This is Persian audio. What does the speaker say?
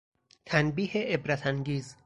تنبیه عبرت انگیز